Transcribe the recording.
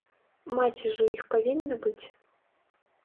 Маці ж у іх павінна быць.